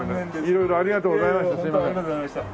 色々ありがとうございました。